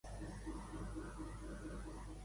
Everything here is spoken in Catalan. Monròvia té connexió marítima amb Greenville i Harper.